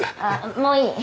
もういい。